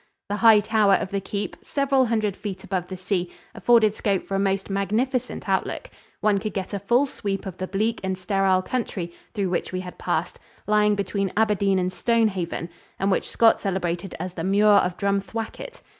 The high tower of the keep, several hundred feet above the sea, afforded scope for a most magnificent outlook. One could get a full sweep of the bleak and sterile country through which we had passed, lying between Aberdeen and Stonehaven, and which Scott celebrated as the Muir of Drumthwacket.